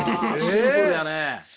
シンプルやね。